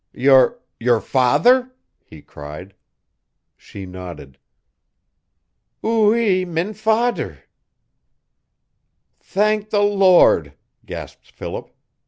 "Your your father?" he cried. She nodded. "Oo ee min fader!" "Thank the Lord," gasped Philip.